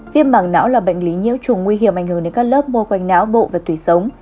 viêm mắng não là bệnh lý nhiễu trùng nguy hiểm ảnh hưởng đến các lớp môi quanh não bộ và tùy sống